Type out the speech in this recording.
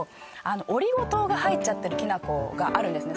オリゴ糖が入っちゃってるきな粉があるんですね